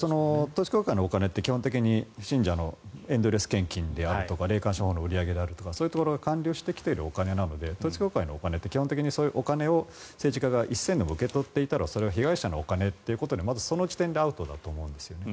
統一教会のお金って基本的に信者のエンドレス献金であったり霊感商法の売り上げあるとかそういうところから還流してきているお金なので統一教会のお金って基本的にお金を政治家が１銭でも受け取っていたらそれは被害者のお金ということでその時点でアウトだと思います。